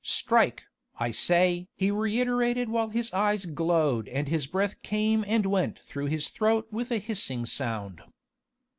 Strike, I say!" he reiterated while his eyes glowed and his breath came and went through his throat with a hissing sound.